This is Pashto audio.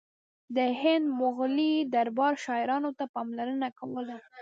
د هند مغلي دربار شاعرانو ته پاملرنه کوله